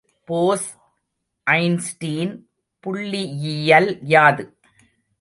Bose Einstein புள்ளியியல் யாது?